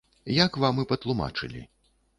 Як вам і патлумачылі.